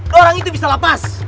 mereka itu bisa lepas